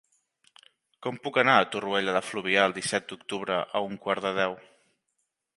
Com puc anar a Torroella de Fluvià el disset d'octubre a un quart de deu?